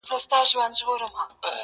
هغه مړ له مــسته واره دى لوېـدلى،